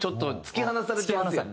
突き放された。